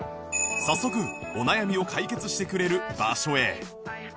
早速お悩みを解決してくれる場所へ